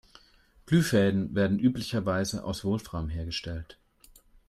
Glühfäden werden üblicherweise aus Wolfram hergestellt.